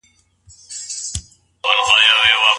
ایا رسول الله د دوی بلنه قبوله کړه؟